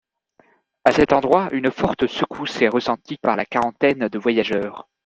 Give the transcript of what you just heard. À cet endroit une forte secousse est ressentie par la quarantaine de voyageurs.